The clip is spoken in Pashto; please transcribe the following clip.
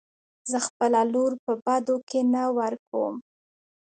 زه خپله لور په بدو کې نه ورکم .